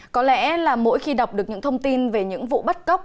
có lẽ là mỗi khi đọc được những thông tin về những vụ bắt cóc